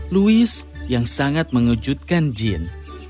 louis yang sangat mengejutkan jin